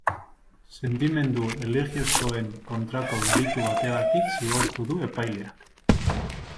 Sentimendu erlijiosoen kontrako delitu bategatik zigortu du epaileak.